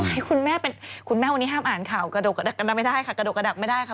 อะไรคุณแม่วันนี้ห้ามอ่านข่าวกระดกไม่ได้ค่ะกระดกกระดับไม่ได้ค่ะ